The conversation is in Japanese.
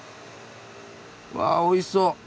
わっおいしそう！